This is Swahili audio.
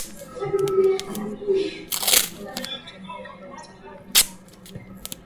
Nataka kuwa huru na kutembea kwa sababu mimi ni kijana